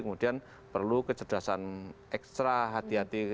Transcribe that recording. kemudian perlu kecerdasan ekstra hati hati